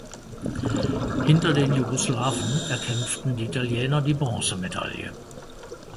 Hinter den Jugoslawen erkämpften die Italiener die Bronzemedaille.